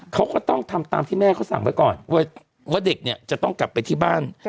เขาก็ต้องทำตามที่แม่เขาสั่งไว้ก่อนว่าเด็กเนี่ยจะต้องกลับไปที่บ้าน